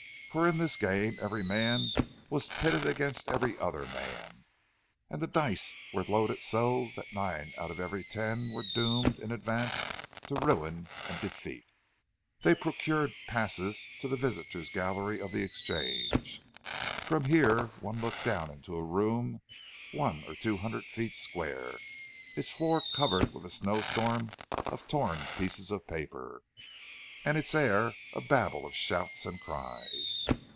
For in this game every man was pitted against every other man; and the dice were loaded so that nine out of every ten were doomed in advance to ruin and defeat. They procured passes to the visitors' gallery of the Exchange. From here one looked down into a room one or two hundred feet square, its floor covered with a snowstorm of torn pieces of paper, and its air a babel of shouts and cries.